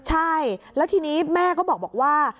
ใช่แล้วทีนี้แม่ก็บอกว่า